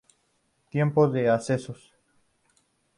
Tiempos de acceso